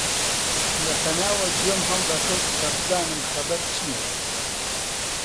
لەپەناوە گوێم هەڵدەخست کە بزانم خەبەر چییە؟